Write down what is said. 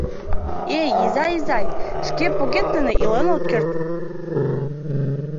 Эй, изай, изай, шке погет дене илен от керт.